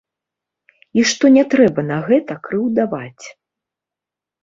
І што не трэба на гэта крыўдаваць.